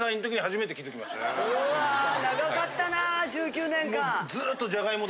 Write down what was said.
うわ長かったな１９年間。